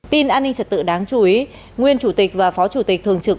tin an ninh trật tự đáng chú ý nguyên chủ tịch và phó chủ tịch thường trực